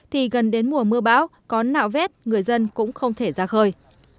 thì gần đến mùa mưa bão có nạo vét người dân cũng không thể ra khơi